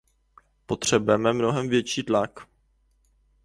Potřebujeme mnohem větší tlak.